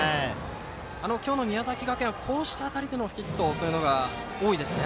今日の宮崎学園はこうした当たりでもヒットというのが多いですね。